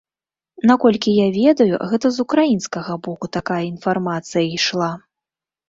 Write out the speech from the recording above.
Наколькі я ведаю, гэта з украінскага боку такая інфармацыя ішла.